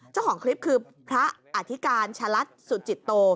เจ้าของคลิปคือพระอธิการชะลัดสุจิตโต